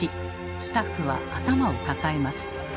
スタッフは頭を抱えます。